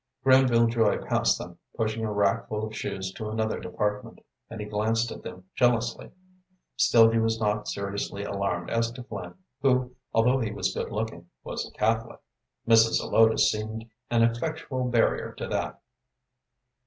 Granville Joy passed them, pushing a rack full of shoes to another department, and he glanced at them jealously. Still he was not seriously alarmed as to Flynn, who, although he was good looking, was a Catholic. Mrs. Zelotes seemed an effectual barrier to that.